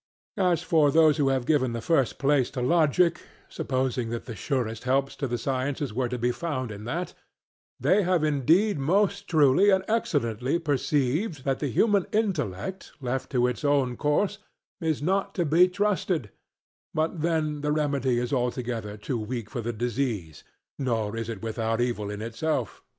As for those who have given the first place to Logic, supposing that the surest helps to the sciences were to be found in that, they have indeed most truly and excellently perceived that the human intellect left to its own course is not to be trusted; but then the remedy is altogether too weak for the disease; nor is it without evil in itself.